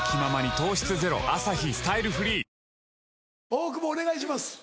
大久保お願いします。